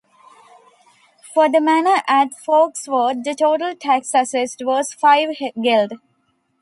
For the manor at Folksworth the total tax assessed was five geld.